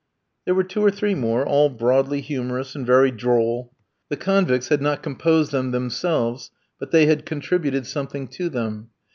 There were two or three more, all broadly humorous and very droll. The convicts had not composed them themselves, but they had contributed something to them.